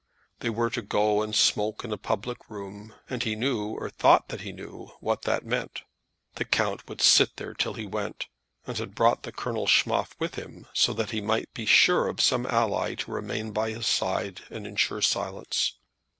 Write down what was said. They were to go and smoke in a public room, and he knew, or thought he knew, what that meant. The count would sit there till he went, and had brought the Colonel Schmoff with him, so that he might be sure of some ally to remain by his side and ensure silence.